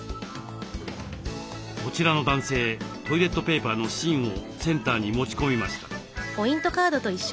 こちらの男性トイレットペーパーの芯をセンターに持ち込みました。